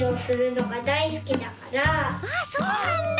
あそうなんだ。